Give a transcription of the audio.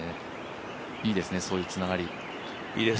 いいですね、そういうつながり。